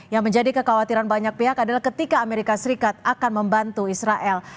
yang menjadi kekhawatiran banyak pihak adalah ketika amerika serikat akan membantu israel